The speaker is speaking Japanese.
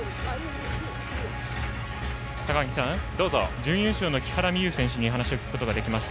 準優勝の木原美悠選手に話を聞くことができました。